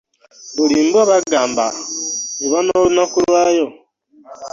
Buli mbwa bagamba eba n'olunaku lwayo.